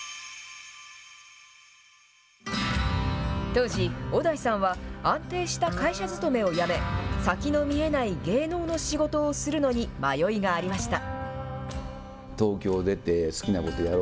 当時、小田井さんは安定した会社勤めを辞め、先の見えない芸能の仕事をするのに迷いがありました。